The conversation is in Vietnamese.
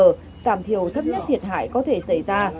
giảm thiểu thấp nhất thiệt hại có thể xảy ra